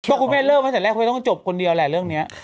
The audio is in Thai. ก็คุณแม่เริ่มตั้งแต่แรกคุณแม่ต้องจบคนเดียวแหละเรื่องนี้